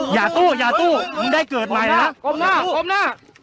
อย่าสู้อย่าสู้นึงได้เกิดใหม่ละ